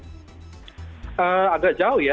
hmm agak jauh ya